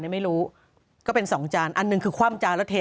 ไม่เป็นไรฝึกเอาไม่ได้